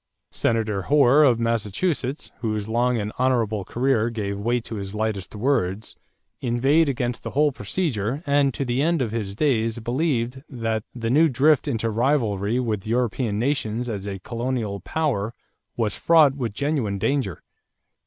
Senator Hoar, of Massachusetts, whose long and honorable career gave weight to his lightest words, inveighed against the whole procedure and to the end of his days believed that the new drift into rivalry with European nations as a colonial power was fraught with genuine danger.